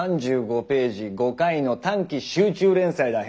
３５ページ５回の短期集中連載だ。